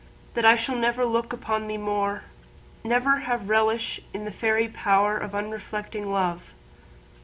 That I shall never look upon thee more, Never have relish in the faery powerOf unreflecting love!